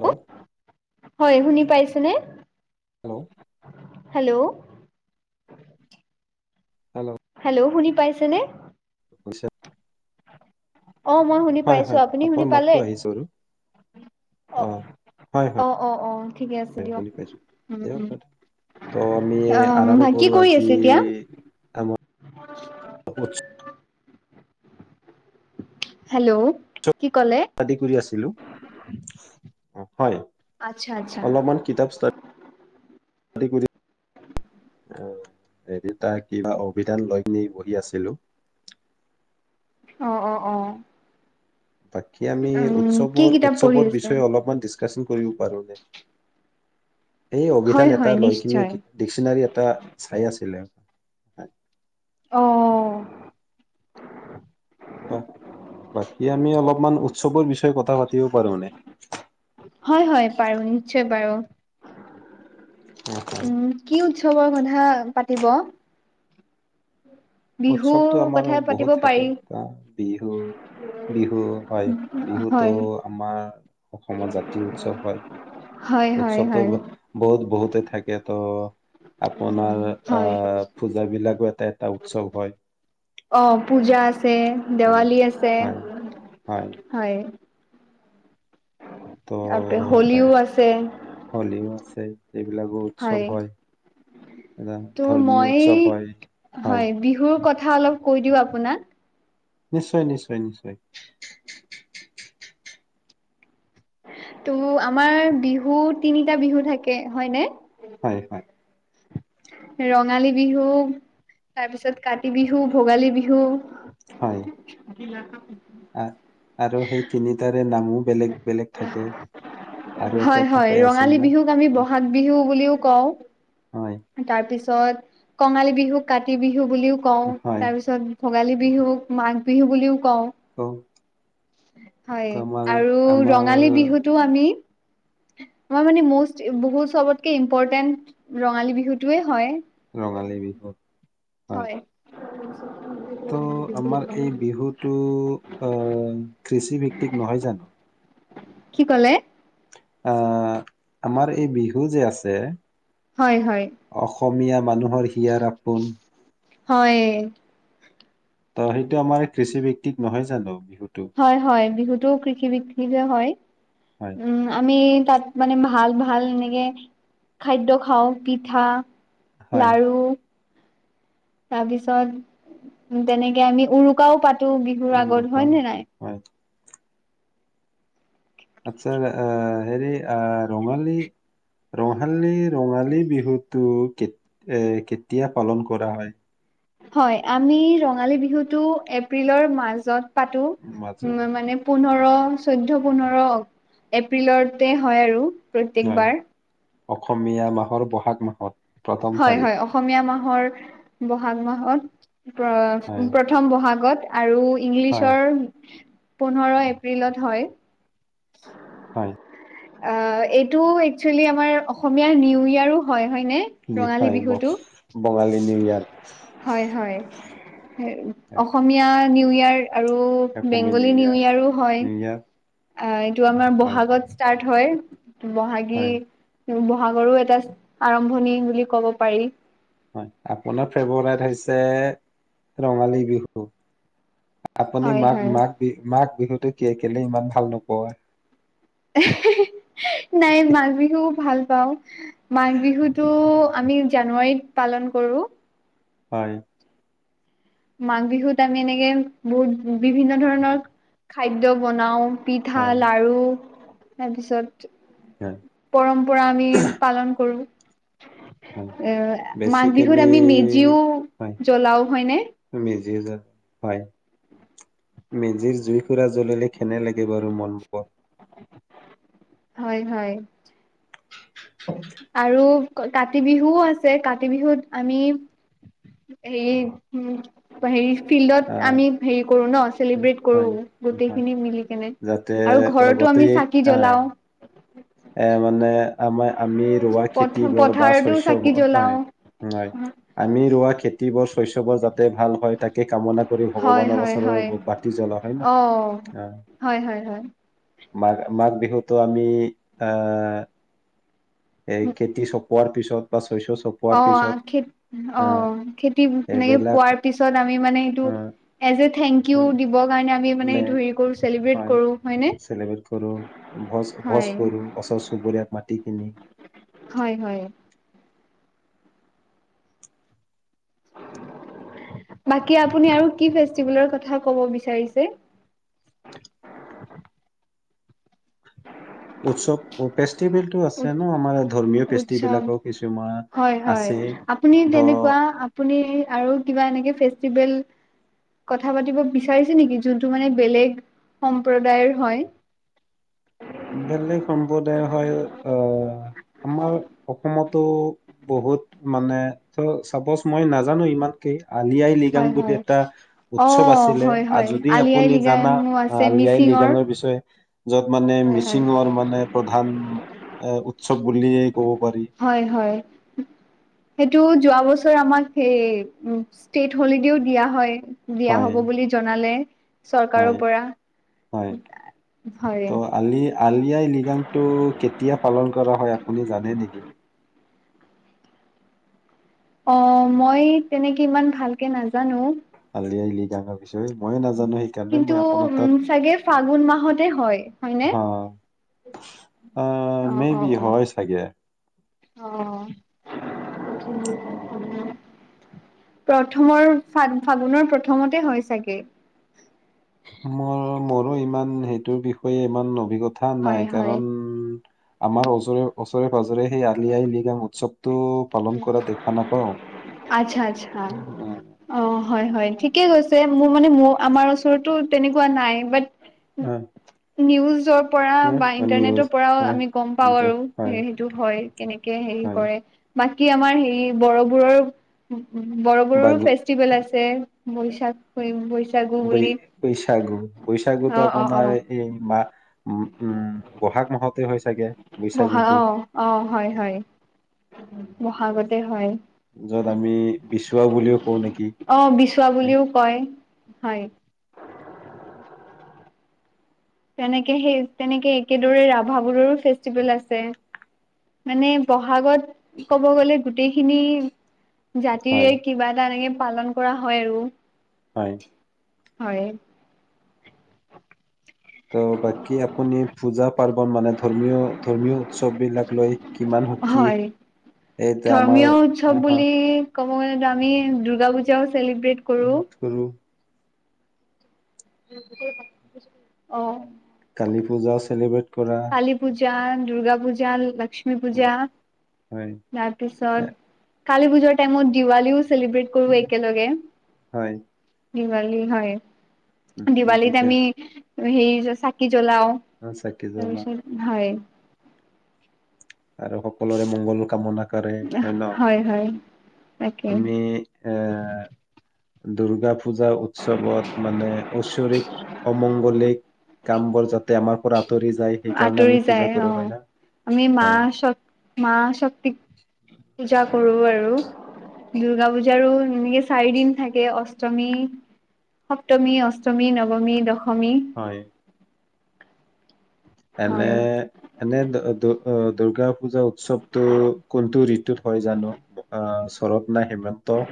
Hello হয় শুনি পাইছনে? হেল্ল' হেল্ল' হেল্ল' হেল্লো' শুনি পাইছেনে? পছা [unintelligible] অ' মই শুনি পাইছো হয় আপুনি শুনি আপোনাৰ পালে? মাতটো আহিছে বাৰু অ' হয়-হয় অ অ অ ঠিকে আছে দিয়ক শুনি পাইছো উম দিয়াক ত আমি উম আৰম্ভ অ কি কৰো কৰি আজি আছে এতিয়া? আমাৰ উৎসৱ। হেল্ল' কি ক'লে? আদি কৰি আছিলো হয় আচ্ছা আচ্ছা অলপমান কিতাপ-চিতাপ আদি এতা কিবা অভিধান লৈ নি বহি আছিলোঁ। অ-অ-অ, বাকী আমি কিতাপ পঢ়ি উৎসৱৰ-উৎসৱৰ আছে? বিষয়ে অলপমান দিচ কাচন কৰিব পাৰোঁনে? এই হয় অভিধান হয় এটা লৈ কিনি নিশ্চয় ডিক্চনাৰী এটা চাই আছিলে। [inaudible] অ' অ', বাকী আমি অলপমান উৎসৱৰ বিষয়ে কথা পাতিব পাৰো এনে। হয়, হয়, পাৰো, নিশ্চয় পাৰো। হয়। উম, কি উৎস উৎসৱৰ কথা পাতিব বিহুৰ উৎসৱতো আমাৰ কথা পাতিব বহুত থাকে পাৰি ন, বিহু, বিহু হয় বিহুতো হয় আমাৰ অসমত জাতীয় উৎসৱ হয়। হয় হয় উৎসৱটো হয় বহুত বহুতে থাকে ত' আপোনাৰ, হয় আহ, পূজা বিলাকো এটা এটা উৎসৱ হয়। অ পূজা আছে, উম দেৱালী আছে, হয় হয়। ত' তাৰপৰা পাই, হোলীও আছে হলিও আছে। এইবিলাকো উৎসৱ হয়, ধৰা ত' ধৰ্মীয় মই উৎসৱ হয়, হয়। কথা অলপ কৈ দিওঁ আপোনাক। নিশ্চয়, নিশ্চয়, নিশ্চয়। ত' আমাৰ বিহু তিনিটা বিহু থাকে, হয়নে? হয়, হয়। ৰঙালী বিহু, তাৰপিছত কাতি বিহু, ভোগালী বিহু। হয়। [unintelligible] আ আৰু সেই তিনি তাৰে নামো বেলেগ বেলেগ থাকে, আৰু হয় এটা হয় এটাকৈ আছিল না। কও। তাৰ পিছ ছত কঙালী বিহুক কাতি বিহু বিহু বুলিও কওঁ, হয় তাৰ পিছত ভোগালী বিহুক মাঘ বিহু বুলিও কও, ক হয়, আমাৰ আৰু আমাৰ ৰঙালী বিহুটো আমি আমাৰ মানে মষ্ট, বহুত চবতকে ইম্পৰ্টেন্ট ৰঙালী বিহুটোয়ে হয়, ৰঙালী বিহুত হয়। [unintelligible] ত' আমাৰ এই বিহুটো, আহ, কৃষি বি িক নহয় জানো? কি কলে? আহ আমাৰ এই বিহু যে আছে হয় হয় অসমীয়া মানুহৰ হিয়াৰ আপোন। হয়। ত সেইটো আমাৰ কৃষি বিত্তিক নহয় জানো? বিহুটো হয় হয় বিহুতো কৃষি বি য়ে হয়। হয় উম আমি তাত মানে ভাল ভাল এনেকে খাদ্য খাওঁ পিঠা হয় লাৰু তাৰ পিছত উ তেনেকে আমি উৰুকাও পাতো। টো বিহুৰ উম আগত ৰুকা হয় নে মাটি নাই? হয় আচ্ছা আহ হেৰি আহ ৰঙালী, ৰঙালী ৰঙালী বিহুটো কে এ কেতিয়া পালন কৰা হয়? হয় আমি ৰঙালী বিহুতটো এপ্ৰিলৰ মাজত পাতো মাজত উ মানে পোন্ধৰ চৈধ্যয় পোন্ধৰ এপ্ৰিলতে হয় আৰু। হয় প্ৰত্যেকবাৰ অসমীয়া মাহৰ বহাগ মাহত প্ৰথম হয় তাৰিখ হয় অসমীয়া মাহৰ বহাগ হয় মাহত প্ৰথম বহাগত আৰু হয় ইংলিছৰ পোন্ধৰ এপ্ৰিলত হয়। হয়। অ এইটো একচুৱেলি আমাৰ অসমীয়া নিউ ইয়াৰো হয়। হয়নে ৰঙালী হয় বিহুটো? বঙালী নিউ ইয়া হয় হয় অসমীয়া নিউ ইয়াৰ আৰু অসমীয়া বেংগলী নিউ ইয়াৰ ইয়াৰো হয়। নিউ ইয়াৰ অ এইটো আমাৰ হয় বহাগত হয়। হয় বহাগী বহাগৰো এটা আৰম্ভণি বুলি ক'ব পাৰি। হয়, আপোনাৰ ফেভৰেট হৈছে ৰঙালী বিহু। আপুনি হয় হয় মাঘ-মাঘ বিহু, মাঘ বিহুত [unintelligible] কেলে ইমান ভাল নোপোৱা? নাই মাঘ বিহু ভাল পাওঁ। মাঘ বিহুতটো আমি জানুৱাৰীত পালন কৰোঁ। হয়। মাঘ বিহুত আমি এনেকে বহুত বিভিন্ন ধৰণৰ খাদ্য বনাও। পিঠা, হয় লাডু। তাৰপিছত হয় পৰম্পৰা আমি পালন কৰো। হয় এ মাঘ বিহুত বেচিকেলি আমি মেজিও হয় জ্বলাও। হয় নে? মেজি জুই, হয়, মেজিৰ জুই কুৰা জ্বলিলে কেনে লাগে বাৰু মন বোৰ? হয় হয়। আৰু কাতি বিহুও আছে। কাতি বিহুত আমি হেৰি উ হেৰি ফিল্ডত আহ আমি হেৰি কৰো ন চেলিব্ৰেট কৰো হয় হয় গোটেইখিনি মিলি কেনে যাতে আৰু ঘৰতো আমি গোটেই চাকি আহ জ্বলাও। এ মানে আমাৰ আমি ৰোৱা পথ খেতি বোৰ বা পথাৰতো চাকি শস্যবোৰ জ্বলাও হয় আমি ৰোৱা খেতি। খেতি বোৰ শস্যবোৰ জাতে যাতে ভাল হয় তাকে কামনা কৰি হয় ভগৱানৰ হয় হয় ওচৰৰ চাকি জ্বলোৱ, হয় ন? অ হয় হয় হয় আহ। মাঘ মাঘ বিহুতো আমি এ' এই খেতি চপ পোৱাৰ পিছত শস্য চপোৱাৰ অ পিছত খ অ আহ খেতি সেনেকে এইবিলাক পোৱাৰ পিছত আমি মানে সেইটো আহ as a thank you um, দিবৰ কাৰণে আমি মানে চেলিব্ৰেট হয় কৰো হয়নে? চেলিব্ৰেট কৰো ভোজ ভোজ হয়। কৰো ওচৰ চুবুৰীয়াক মাতি কিনি হয় হয়। বাকী আপুনি আৰু কি ফেষ্টিভেলৰ কথা ক'ব বিচাৰিছে? উৎসৱ ফেষ্টিভেলটো আছে ন আমাৰ ধৰ্মীয় ফেষ্টিভেল উৎসৱ বিলাকৰ কিছুমান হয় হয় আছে আপুনি ধ তেনেকুৱা আপুনি আৰু কিবা এনেকে ফেষ্টিভেল কথা পাতিব বিচাৰিছে নেকি? যোনটো মানে বেলেগ সম্প্ৰদায়ৰ হয়। বেলেগ সম প্ৰদায় হয় অ'। আমাৰ অসমতো বহুত মানে ত চাপ'জ মই নাজানো ইমানকেই আলি আই লৃগাং হয় বুলি হয় এটা অ উৎসৱ আছিলে হয় আৰু হয় যদি আলি আই আপুনি জানা লৃগাঙো আছে আলি আই মিচিঙৰ লৃগাঙৰ বিষয়ে য'ত মানে হয় হয় মিচিঙৰ মানে প্ৰধান অ' উ উৎসৱ বুলিয়েই কব পাৰি। হয় হয় সেইটো যোৱা বছৰ আমাক সেই উম ষ্টেট হলিডেও দিয়া হয়। দিয়া হয় হব বুলি জনালে। চৰকাৰৰ হয় পৰা হয় হয় ত' আলি আলি আই লৃগাংটো কেতিয়া পালন কৰা হয়? আপুনি জানে নেকি? অ' মই তেনেকে ইমান ভালকে নাজানো। আলি আই লৃগাং হয় কিন্তু তাত উম চাগে ফাগুন মাহতে হয় হয়নে আহ মে বি হয় চাগে অহ প্ৰথমৰ ফা ফাগুনৰ প্ৰথমতে হয় চাগে মোৰ মোৰো ইমান সেইটোৰ বিষয়ে ইমান অভিজ্ঞ তা নাই হয়, হয়, কাৰণ আমাৰ ওচৰে ওচৰে পাজৰে সেই আলি আই লিগাং উৎসৱ টো পালন কৰা দেখা নাপাও আচ্ছা, আচ্ছা। অ', হয় হয় ঠিকে গৈছে মোৰ মানে মো আমাৰ ওচৰত টো তেনেকুৱা নাই বাট আহ, নিউজৰ পৰা বা আহ, নিউজ ইন্টাৰনেটৰ পৰাও হয় আমি গম পাও কিন্তু আৰু হয় সেইটো হয় কেনেকে হেৰি হয় কৰে বাকী আমাৰ হেৰি বড়ো বোৰো বড়ো বোৰৰো বা ফেষ্টিভেল আছে বৈশা বৈশাগু বুলি বৈশাগু বৈশাগুতো অ অ অ আপোনাৰ এই মা উম উম বহাগ মাহতে হয় চাগে বহা বৈশাগুটো অ', অ' হয় হয়। বহাগতে হয়। য'ত আমি বিচোৱা বুলিও কওঁ নেকি। অ বিচৱা বুলিও কয় হয়। তেনেকে সেই তেনেকে একেদৰে ৰাভাবোৰৰো ফেষ্টিভেল আছে। মানে, বহাগত কব গ'লে গোটেইখিনি হয় জাতিৰে কিবা এটা এনেকে পালন কৰা হয় আৰু। হয়। হয়। ত' বাকী আপুনি পূজা-পাৰ্বন মানে ধৰ্মীয় ধৰ্মীয় উৎসৱ বিলাক লৈ কিমান সুখী হয় এইতিয়া ধৰ্মীয় উৎসৱ আমাৰ বুলি ক'ব গলেটো আমি দুৰ্গা পূজাও চেলিব্ৰেট কৰো। [unintelligible] অ। কালী পূজা চেলিব্ৰেট। কৰা কালী পূজ। জা দুৰ্গা পূজা লক্ষ্মী। ক্ষ্মী উম, পূজা। হয় তাৰপিছত। এ, কালী পূজাৰ টাইমত দিৱালীও। চেলিব্ৰেট কৰোঁ উম, একেলগে। হয় দিৱালী হয়। উম, উম, দিৱালীত যেতিয়া আমি। সেই যে চাকি। জ্বলাও চাকি জ্বলা তাৰপিছত হয়। আৰু সকলোৰে মংগল কামনা। কৰে ন হয় হয়। তাকে আমি এ। দুৰ্গাপূ। পূজা উৎসৱত মানে ঐশ্বৰিক অমংগলিক। কাম বোৰ যাতে আমাৰ পৰা। আঁতৰি যায় সেইকাৰণে আঁতৰি আমি পূজা যায় কৰো অ হয় না আমি মা হয় শ মা শক্তি পূজা। কৰোঁ আৰু দুৰ্গা পূজাৰো এনেকে চাৰি দিন থাকে অষ্টমী সপ্তমী অষ্টমী নৱমী দশ। সমি। হয়। এনে এনে দু অ। দূৰ্গাপূজা উৎসৱটো কোনটো ঋতুত হয় জানো শৰৎ নে হেমন্ত।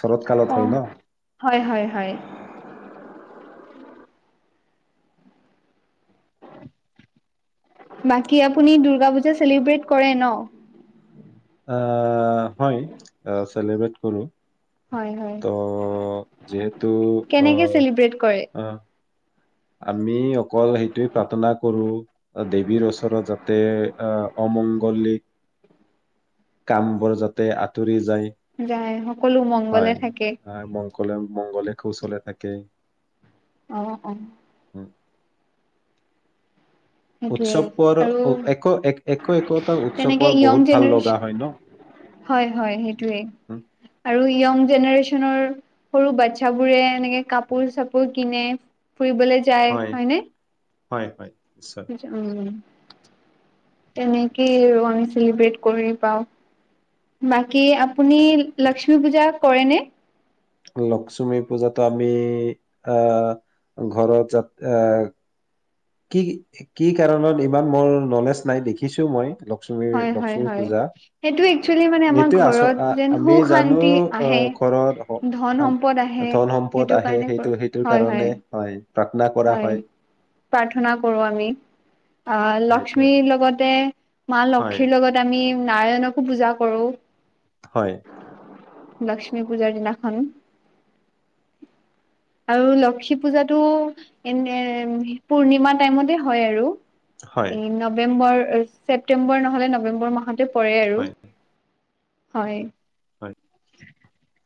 শৰত কালত অ হয় ন হয় হয় হয়। বাকী আপুনি দুৰ্গা পূজা চেলিব্ৰেট কৰে নহ। অ। হয় অ। চেলিব্ৰেট কৰোঁ। হয় হয় ত যিহেতু কেনেকে অহ চেলিব্ৰেট কৰে অহ। আমি অকল সেইটোৱে প্ৰাৰ্থনা কৰোঁ দেৱীৰ ওচৰত যাতে অহ অমংগলিক। কাম বোৰ যাতে আঁতৰি য। যায় সকলো মংগলে থাকে। সকলে মংগলে কৌশলে থাকে। অহ অহ। উ [unintelligible] সেইটোয়ে উৎসৱৰ আৰু একো এক একো একোটা তেনেকে উৎসৱৰ য়ং বহুত ভাল জেনেৰেশ্যন লগা হয় ন? হয় হয় সেইটো টোয়ে উম। আৰু য়ং জেনেৰেচনৰ সৰু বাচ্ছাবোৰে এনেকে কাপোৰ- চাপোৰ কিনে ফুৰিবলৈ যায়, হয় হয়নে? হয় হয় নিশ্চয় উম তেনেকেই আমি চেলিব্ৰেট কৰি পাও ব কি আপুনি লক্ষ্মী পূজাত কৰেনে? লক্ষ্মী পূজাত আমি, অহ ঘৰত য এ কি, কি কাৰণত ইমান মোৰ নলেজ নাই দেখিছো মই লক্ষ্মী, হয় হয় লক্ষ্মী হয়। পূজা সেইটো একচুৱেলি মানে আমাৰ এইটোয় আচ ঘৰত যেন আমি সুখ জানো শান্তি আহে। আহ ঘৰত ধন সম্পদ আহে ধন সম্পদ সেইটো আহে কাৰণে সেইটো কৰো সেইটোৰ হয় কাৰণে হয় প্ৰাৰ্থনা কৰা হয় প্ৰাৰ্থনা কৰো আমি। অ সেইটোৱে লক্ষ্মীৰ লগতে মা হয় লক্ষ্মীৰ লগত আমি নাৰায়ণকো পূজা কৰো। হয় লক্ষ্মী পূজাৰ দিনাখন, আৰু লক্ষী পূজাতটো এনে পূৰ্ণিমা টাইমতে হয় আৰু হয় এই নৱেম্বৰ [unintelligible] ছেপ্তেম্বৰ নহলে নবেম্বৰ মাহত পৰে আৰু। হয় হয়। হয়। উ [unintelligible]